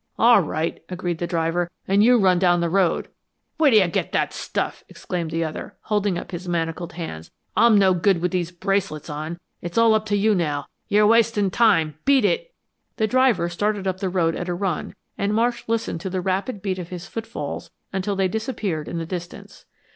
"All right," agreed the driver. "And you run down the road." "Where do you get that stuff?" exclaimed the other, holding up his manacled hands. "I'm no good with these bracelets on. It's all up to you now. You're wasting time. Beat it!" The driver started up the road at a run and Marsh listened to the rapid beat of his footfalls until they disappeared in the distance.